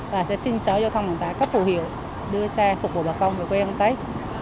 và sẽ xin sở châu phòng vận tải các phù hiệu đưa xe phục vụ bà công về quê hương tết